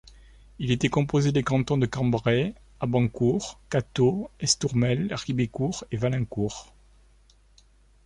Il était composé des cantons de Cambray, Abancourt, Catteau, Estourmel, Ribécourt et Walincourt.